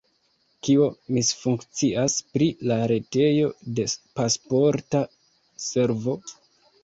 Kio misfunkcias pri la retejo de Pasporta Servo?